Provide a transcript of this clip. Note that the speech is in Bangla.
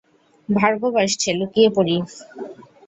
ভার্গব আসছে, লুকিয়ে পড়ি।